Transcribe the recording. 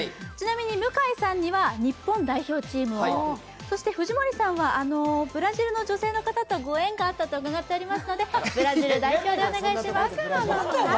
ちなみに、向井さんには日本代表チームを、そして藤森さんは、ブラジルの女性の方と御縁があったと伺っておりますのでブラジル代表でお願いします。